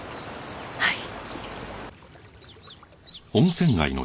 はい。